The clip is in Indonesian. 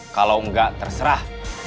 kalau enggak terserah